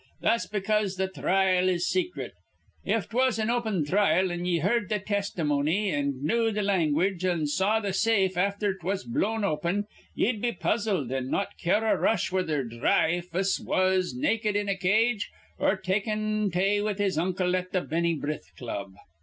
That's because th' thrile was secret. If 'twas an open thrile, an' ye heerd th' tistimony, an' knew th' language, an' saw th' safe afther 'twas blown open, ye'd be puzzled, an' not care a rush whether Dhry fuss was naked in a cage or takin' tay with his uncle at th' Benny Brith Club.